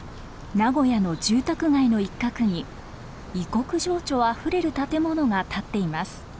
名古屋の住宅街の一角に異国情緒あふれる建物が建っています。